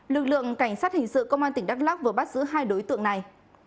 lực lượng cảnh sát hình sự công an tỉnh đắk lắc vừa bắt giữ hai đối tượng này